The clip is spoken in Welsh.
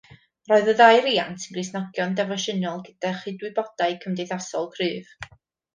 Roedd y ddau riant yn Gristnogion defosiynol gyda chydwybodau cymdeithasol cryf.